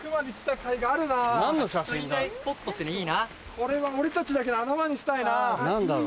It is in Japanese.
これは俺たちだけの穴場にしたいなぁ。